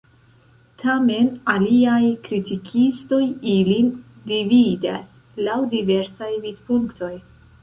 Tamen aliaj kritikistoj ilin dividas laŭ diversaj vidpunktoj.